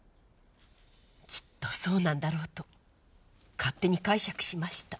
きっとそうなんだろうと勝手に解釈しました。